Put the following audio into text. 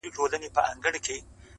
راته بدي یې ښکاریږي کږې غاړي!